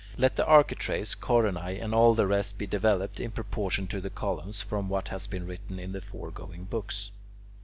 Let the architraves, coronae, and all the rest be developed, in proportion to the columns, from what has been written in the foregoing books.